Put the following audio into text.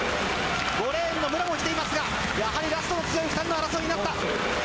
５レーンの武良も来ていますがやはりラストの強い２人の争いになった。